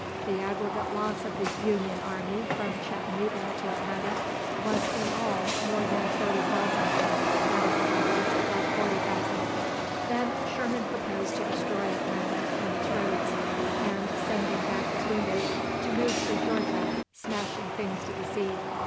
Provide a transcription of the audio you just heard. The aggregate loss of the Union army from Chattanooga to Atlanta was in all more than 30,000 that of the rebels above 40,000. Then Sherman proposed to destroy Atlanta and its roads, and, sending back his wounded, to move through Georgia, "smashing things to the sea."